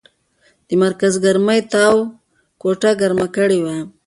د مرکز ګرمۍ تاو کوټه ګرمه کړې وه.